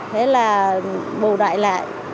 thế là bù đại lại